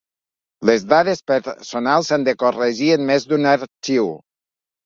Les dades personals s'han de corregir en més d'un arxiu.